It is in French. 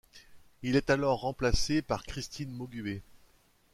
Il est alors remplacé par Christine Maugüé.